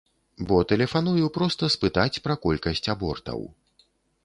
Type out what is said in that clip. Бо тэлефаную проста спытаць пра колькасць абортаў.